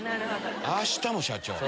あしたも社長！